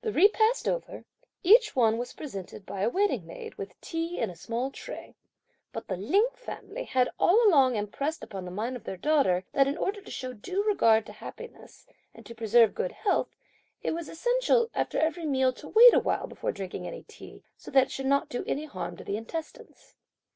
The repast over, each one was presented by a waiting maid, with tea in a small tea tray; but the Lin family had all along impressed upon the mind of their daughter that in order to show due regard to happiness, and to preserve good health, it was essential, after every meal, to wait a while, before drinking any tea, so that it should not do any harm to the intestines.